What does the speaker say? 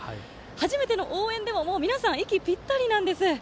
初めての応援でも皆さん、息ぴったりなんです。